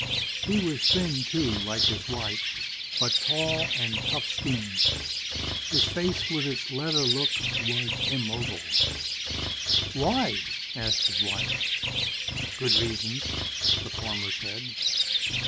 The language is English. He was thin, too, like his wife, but tall and tough skinned. His face, with its leather look was immobile. "Why?" asked his wife. "Good reasons," the farmer said.